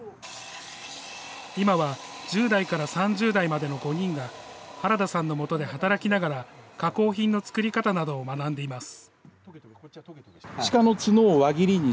今は１０代から３０代までの５人が、原田さんのもとで働きながら加工品の作り方などを学んでいます。